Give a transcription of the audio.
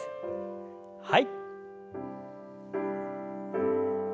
はい。